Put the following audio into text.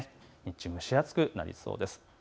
蒸し暑くなりそうです。